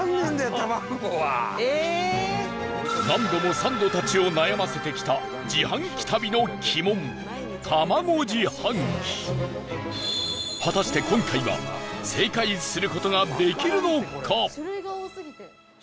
何度もサンドたちを悩ませてきた自販機旅の鬼門、卵自販機果たして、今回は正解する事ができるのか？